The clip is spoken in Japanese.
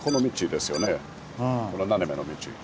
この斜めの道。